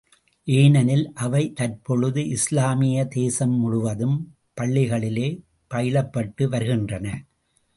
ஏனெனில் அவை தற்பொழுது, இஸ்லாமிய தேசம்முழுவதும், பள்ளிகளிலே பயிலப்பட்டு வருகின்றன.